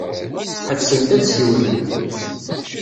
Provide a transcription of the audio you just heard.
Ḥebsent ad ssiwlent.